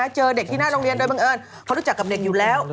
เจอเด็กที่หน้าโรงเรียนโดยบังเอิญเขารู้จักกับเด็กอยู่แล้ว